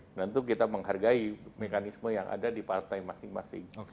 tentu kita menghargai mekanisme yang ada di partai masing masing